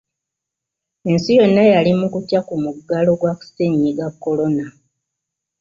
Ensi yonna yali mu kutya ku muggalo gwa Ssennyiga Corona